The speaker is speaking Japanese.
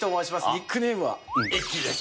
ニックネームはエッキーです。